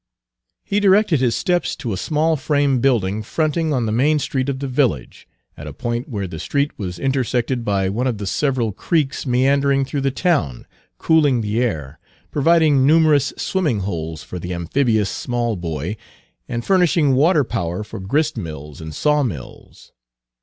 He directed his steps to a small frame building fronting on the main street of the village, at a point where the street was intersected by one of the several creeks meandering through the town, cooling the air, providing numerous swimming holes for the amphibious small boy, and furnishing waterpower for grist mills and saw mills.